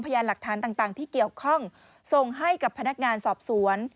พยานหลักฐานต่างที่เกี่ยวข้องส่งให้กับพนักงานสอบสวน